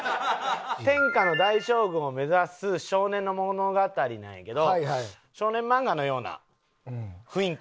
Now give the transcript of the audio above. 天下の大将軍を目指す少年の物語なんやけど少年漫画のような雰囲気。